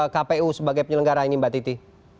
kpu sebagai penyelenggara ini mbak titi